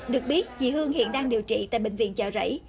được biết chị hương hiện đang điều trị tại bệnh viện chợ rẫy